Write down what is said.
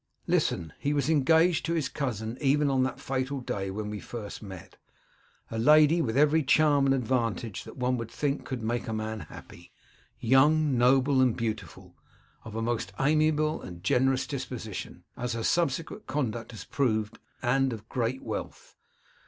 'Listen: he was engaged to his cousin even on that fatal day when we first met; a lady with every charm and advantage that one would think could make a man happy; young, noble, and beautiful; of a most amiable and generous disposition, as her subsequent conduct has proved; and of great wealth.